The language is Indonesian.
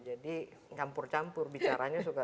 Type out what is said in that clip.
jadi ngampur campur bicaranya suka